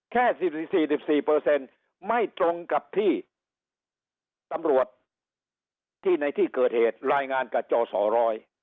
แค่๔๔ไม่ตรงกับที่ตำรวจที่ในที่เกิดเหตุรายงานกับจสร